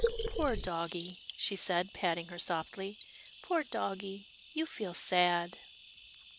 " Poor doggie," she said, patting her softly, " poor doggie — you feel sad."